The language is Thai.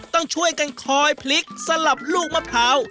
ต้องช่วยกันคอยพลิกสลับลูกมะพร้าว